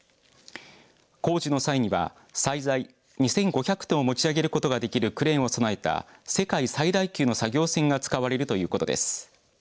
工事の際には最大２５００トンを持ち上げることができるクレーンをそなえた世界最大級の作業船が使われるということです。